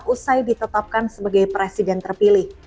usai ditetapkan sebagai presiden terpilih